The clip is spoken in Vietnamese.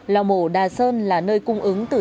lò mổ đà sơn là nơi cung ứng từ tám mươi chín mươi